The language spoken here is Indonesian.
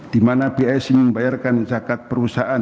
dimana bisi membayarkan zakat perusahaan